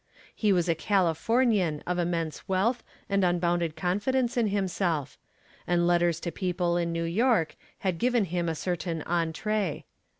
He was a Californian of immense wealth and unbounded confidence in himself, and letters to people in New York had given him a certain entree.